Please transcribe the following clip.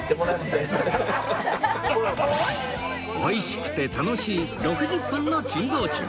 おいしくて楽しい６０分の珍道中